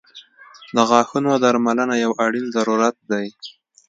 • د غاښونو درملنه یو اړین ضرورت دی.